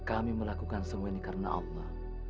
kami melakukan semua ini karena allah